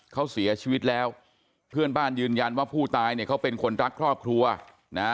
เขาเสียชีวิตแล้วเพื่อนบ้านยืนยันว่าผู้ตายเนี่ยเขาเป็นคนรักครอบครัวนะ